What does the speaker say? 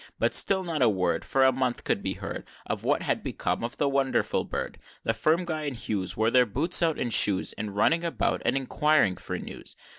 V. But still not a word For a month could be heard Of what had become of the Wonderful Bird; The firm Gye and Hughes, Wore their boots out and shoes, In running about and inquiring for news.